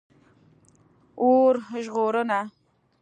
🚒 اور ژغورنه